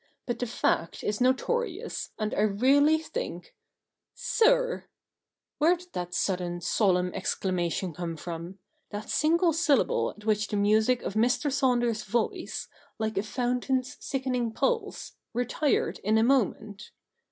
But the fact is notorious, and I really think '' Sir 1 ' Where did that sudden, solemn exclamation come from — that single syllable at which the music of Mr. Saunders's voice, ' like a fountain's sickening pulse,' retired in a moment